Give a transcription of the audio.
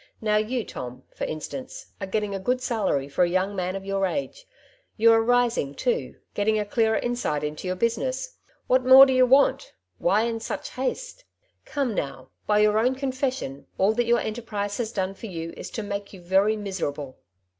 Now you, Tom, for instance, are getting a good salary for a young man of your age. You are rising, too; getting a clearer insight into your business. What more do you want \ Why in such haste ? Come, now, by your own confession all that your enterprise has done for you is to make you very miserable.